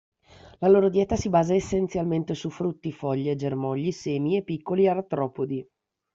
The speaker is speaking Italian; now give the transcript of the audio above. La loro dieta si basa essenzialmente su frutti, foglie, germogli, semi e piccoli artropodi.